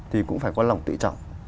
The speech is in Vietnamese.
thì cũng phải có lòng tự trọng